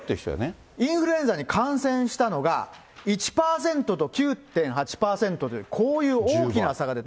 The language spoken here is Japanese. インフルエンザに感染したのが、１％と９．８％という、こういう大きな差が出た。